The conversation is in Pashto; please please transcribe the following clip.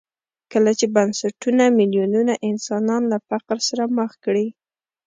کله چې بنسټونه میلیونونه انسانان له فقر سره مخ کړي.